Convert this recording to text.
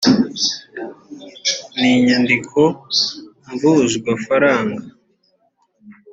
n inyandiko mvunjwafaranga